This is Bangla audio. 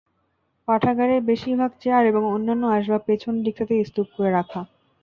পাঠাগারের বেশির ভাগ চেয়ার এবং অন্যান্য আসবাব পেছন দিকটাতে স্তূপ করে রাখা।